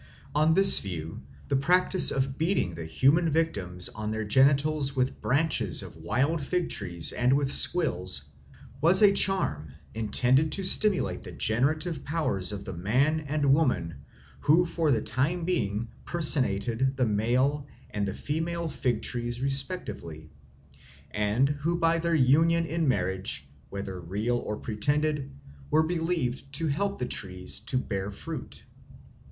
On this view the practice of beating the human victims on their genitals with branches of wild fig trees and with squills was a charm intended to stimulate the generative powers of the man and woman who for the time being personated the male and the female fig trees respectively, and who by their union in marriage, whether real or pretended, were believed to help the trees to bear fruit.